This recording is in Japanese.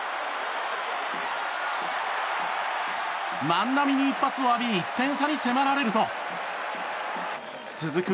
万波に一発を浴び１点差に迫られると続く